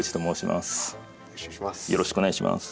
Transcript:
よろしくお願いします。